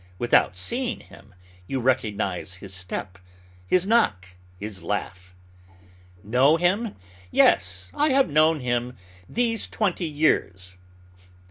Without seeing him, you recognize his step, his knock, his laugh. "Know him? Yes, I have known him these twenty years."